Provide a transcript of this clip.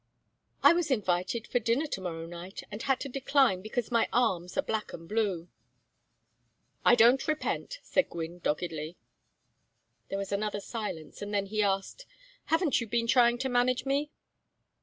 "I was invited for dinner to morrow night, and had to decline because my arms are black and blue." "I don't repent," said Gwynne, doggedly. There was another silence, and then he asked: "Haven't you been trying to manage me?"